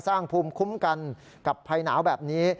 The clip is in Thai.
สร้างภูมิคุ้มกันกับภัยหนาวแบบนี้